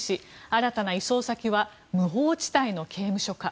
新たな移送先は無法地帯の刑務所か。